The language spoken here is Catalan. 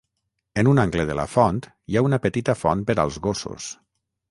En un angle de la font hi ha una petita font per als gossos.